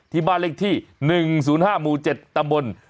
ที่บ้านเลขที่๑๐๕หมู่๗ตำบล